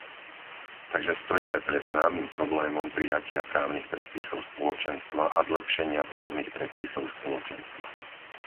Takže stojíme pred známym problémom prijatia právnych predpisov Spoločenstva a zlepšenia právnych predpisov Spoločenstva.